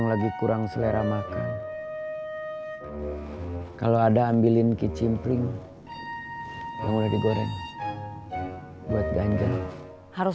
aku lagi kurang selera makan kalau ada ambilin kicim pling yang udah digoreng buat ganja harus